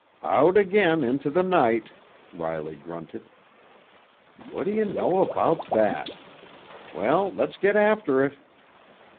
"Out again into the night!" Riley grunted. "What do you know about that? Well—let's get after it!"